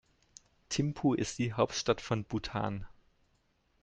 Thimphu ist die Hauptstadt von Bhutan.